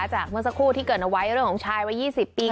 เมื่อสักครู่ที่เกิดเอาไว้เรื่องของชายวัย๒๐ปี